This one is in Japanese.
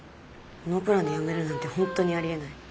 ノープランで辞めるなんて本当にありえない。